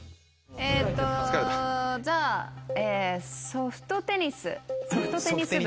えっとじゃあソフトテニスソフトテニス部。